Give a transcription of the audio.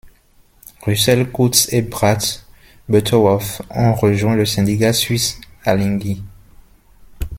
Russel Coutts et Brad Butterworth ont rejoint le syndicat suisse Alinghi.